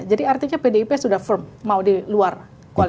jadi artinya pdip sudah firm mau di luar koalisi